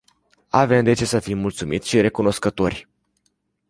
Avem de ce să fim mulțumiți și recunoscători.